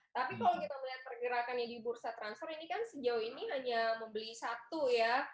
tapi kalau kita melihat pergerakannya di bursa transfer ini kan sejauh ini hanya membeli satu ya